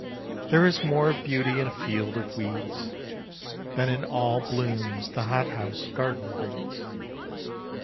There is more of beauty in a field of weeds Than in all blooms the hothouse garden breeds.